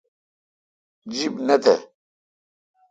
جب نہ تھ